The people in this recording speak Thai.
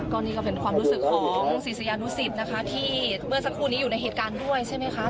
ก็นี่ก็เป็นความรู้สึกของศิษยานุสิตนะคะที่เมื่อสักครู่นี้อยู่ในเหตุการณ์ด้วยใช่ไหมคะ